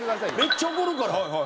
めっちゃ怒るから。